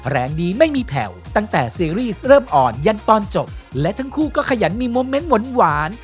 แรงดีไม่มีแผ่วตั้งแต่ซีรีส์เริ่มอ่อนยันตอนจบและทั้งคู่ก็ขยันมีโมเมนต์หวาน